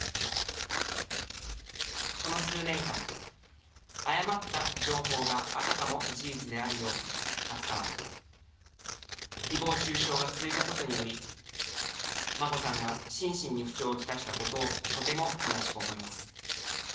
この数年間、誤った情報があたかも事実であるように扱われ、ひぼう中傷が続いたことにより、眞子さんが心身に不調をきたしたことをとても悲しく思います。